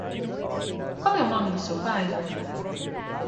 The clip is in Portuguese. Qual é o nome do seu pai?